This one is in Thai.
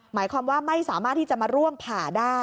หมายความว่าไม่สามารถที่จะมาร่วงผ่าได้